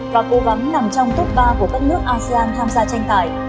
và cố gắng nằm trong top ba của các nước asean tham gia tranh tài